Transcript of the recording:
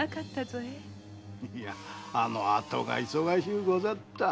あのあとが忙しゅうござった。